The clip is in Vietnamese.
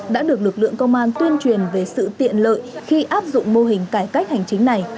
đã được lực lượng công an tuyên truyền về sự tiện lợi khi áp dụng mô hình cải cách hành chính này